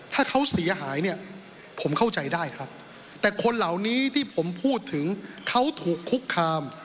ถ้าเขาเสียหายเนี่ยผมเข้าใจได้ครับแต่คนเหล่านี้ที่ผมพูดถึงเขาถูกคุกคาม